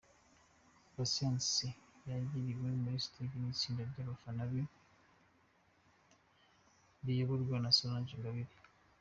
Patient yakiriwe kuri stage n'itsinda ry'abafana be riyoborwa na Solange Ingabire.